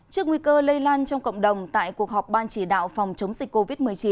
trước nguy cơ lây lan trong cộng đồng tại cuộc họp ban chỉ đạo phòng chống dịch covid một mươi chín